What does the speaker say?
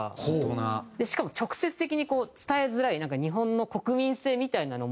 しかも直接的に伝えづらい日本の国民性みたいなのも。